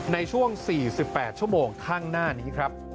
ในช่วง๔๘ชั่วโมงข้างหน้านี้ครับ